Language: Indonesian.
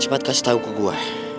cepat kasih tahu ke gue